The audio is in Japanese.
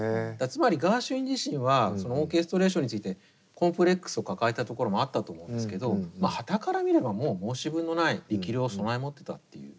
つまりガーシュウィン自身はオーケストレーションについてコンプレックスを抱えたところもあったと思うんですけどまあはたから見ればもう申し分のない力量を備え持ってたっていう。